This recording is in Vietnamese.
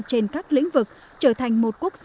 trên các lĩnh vực trở thành một lĩnh vực đặc biệt